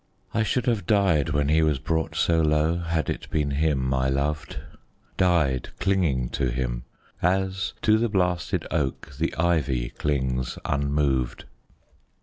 I should have died when he was brought so low, Had it been him I loved, Died clinging to him, as to the blasted oak The ivy clings unmoved.